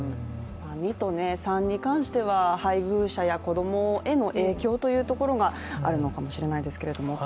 ２と３に関しては配偶者や子供への影響というところがあるのかもしれないですけど。